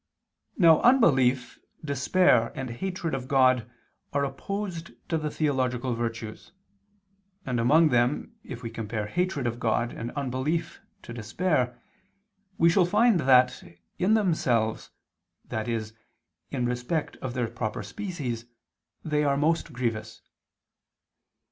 Now unbelief, despair and hatred of God are opposed to the theological virtues: and among them, if we compare hatred of God and unbelief to despair, we shall find that, in themselves, that is, in respect of their proper species, they are more grievous.